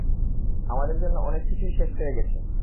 আমাদের জন্য অনেক কিছুই শেষ হয়ে গেছে।